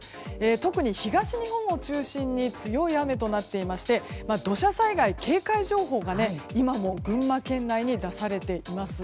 特に東日本を中心に強い雨となっていて土砂災害警戒情報が今も群馬県内に出されています。